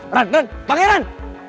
eh ren ren panggil ren